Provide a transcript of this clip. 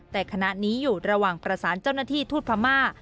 แต่คณะนี้อยู่ระหว่างประสานเจ้าหน้าที่ทูตพม่า